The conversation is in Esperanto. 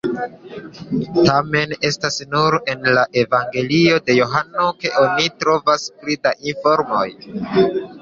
Tamen, estas nur en la Evangelio de Johano ke oni trovas pli da informo.